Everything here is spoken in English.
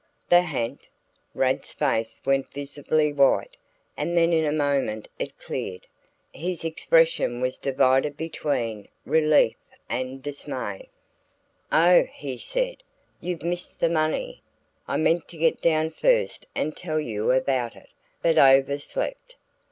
"The ha'nt?" Rad's face went visibly white, and then in a moment it cleared; his expression was divided between relief and dismay. "Oh!" he said, "you've missed the money? I meant to get down first and tell you about it, but overslept.